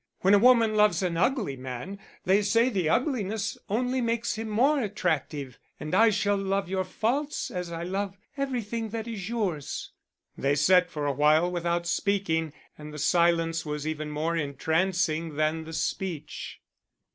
When a woman loves an ugly man, they say the ugliness only makes him more attractive and I shall love your faults as I love everything that is yours." They sat for a while without speaking, and the silence was even more entrancing than the speech.